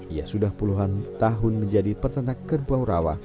ia sudah puluhan tahun menjadi peternak kerbau rawa